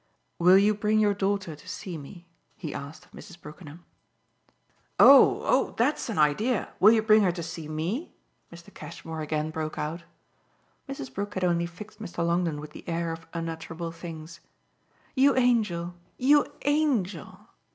"Will you bring your daughter to see me?" he asked of Mrs. Brookenham. "Oh, oh that's an idea: will you bring her to see ME?" Mr. Cashmore again broke out. Mrs. Brook had only fixed Mr. Longdon with the air of unutterable things. "You angel, you angel!"